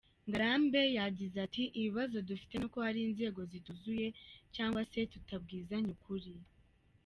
Ngarambe yagize ati; “ Ibibazo dufite ni uko hari inzego zituzuye cyangwa se tutabwizanya ukuri.